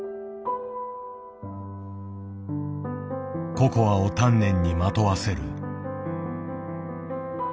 ココアを丹念にまとわせる。